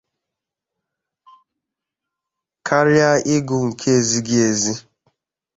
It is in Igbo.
karịa ịgụ nke ezighị ezi